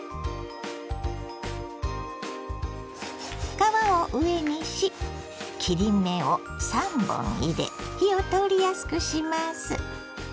皮を上にし切り目を３本入れ火を通りやすくします。